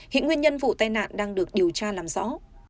hiện nguyên nhân vụ tai nạn đang được điều tra làm rõ